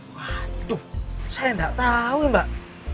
waduh saya gak tau mbak